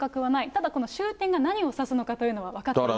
ただ、この終点が何を指すのかというのは分かっていません。